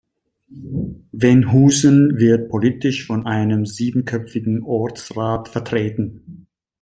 Veenhusen wird politisch von einem siebenköpfigen Ortsrat vertreten.